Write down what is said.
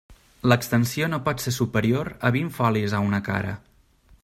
L'extensió no pot ser superior a vint folis a una cara.